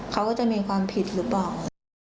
เขาก็จะมีความผิดหรือเปล่า